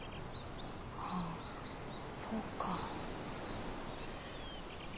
ああそうか。